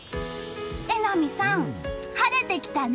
榎並さん、晴れてきたね。